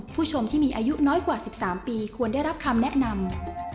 ผู้ชมที่มีอายุน้อยกว่า๑๓ปีควรได้รับคำแนะนำ